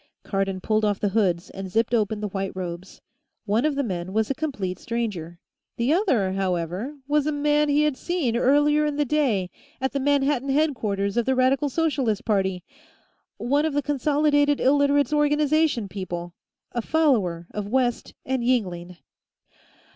Cardon pulled off the hoods and zipped open the white robes. One of the men was a complete stranger; the other, however, was a man he had seen, earlier in the day, at the Manhattan headquarters of the Radical Socialist Party. One of the Consolidated Illiterates' Organization people; a follower of West and Yingling.